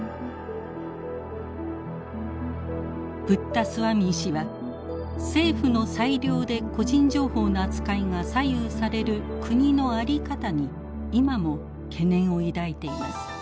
プッタスワミー氏は政府の裁量で個人情報の扱いが左右される国の在り方に今も懸念を抱いています。